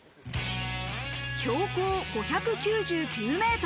標高５９９ｍ。